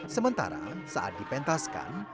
sementara saat dipentaskan